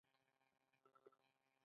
ټوکې ولې خندا راوړي؟